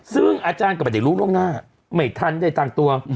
ซึ่งอาจารย์ก็ประเด็นลูกล่องหน้าไม่ทันได้ต่างตัว